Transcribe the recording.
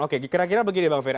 oke kira kira begini bang ferry